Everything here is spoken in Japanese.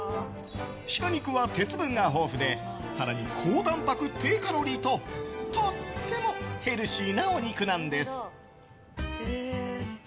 鹿肉は鉄分が豊富で更に、高たんぱく低カロリーととってもヘルシーなお肉なんです。